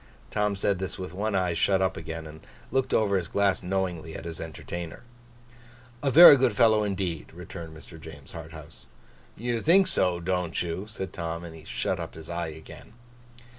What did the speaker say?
Tom said this with one eye shut up again, and looking over his glass knowingly, at his entertainer. 'A very good fellow indeed!' returned Mr. James Harthouse. 'You think so, don't you?' said Tom. And shut up his eye again.